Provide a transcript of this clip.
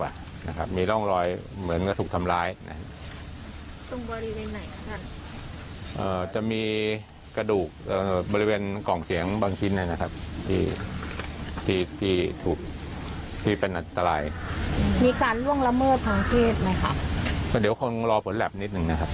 ว่าคนร้ายที่ก่อเหตุน่าจะมีมากกว่าคนหรือไม่